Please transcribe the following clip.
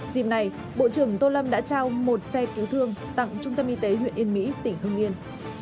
dịp này bộ trưởng tô lâm đã trao một xe cứu thương tặng trung tâm y tế huyện yên mỹ tỉnh hương yên